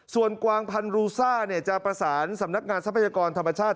ส่วนกวางพันรูซ่าจะประสานสำนักงานทรัพยากรธรรมชาติ